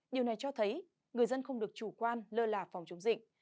điều này cho thấy người dân không được chủ quan lơ là phòng chống dịch